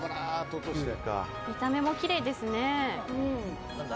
見た目もきれいですね。